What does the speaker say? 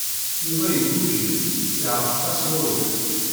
Yuba yeggugem, yeɛreq-as wawal.